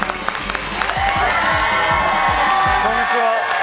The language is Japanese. こんにちは。